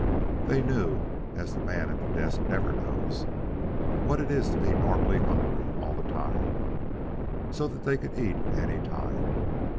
They knew, as the man at the desk never knows, what it is to be normally hungry all the time, so that they could eat any time.